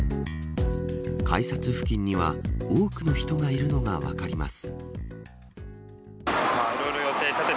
改札付近には多くの人がいるのが分かります。